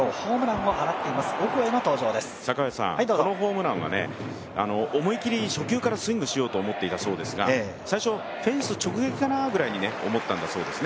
このホームランは思い切り初球からスイングしようと思っていたそうなんですが最初、フェンス直撃かなぐらいに思ったんだそうです。